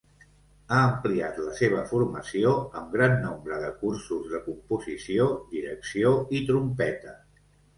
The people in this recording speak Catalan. Ha ampliat la seva formació amb gran nombre de cursos de composició, direcció i trompeta.